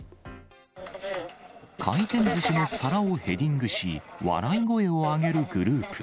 回転ずしの皿をヘディングし、笑い声を上げるグループ。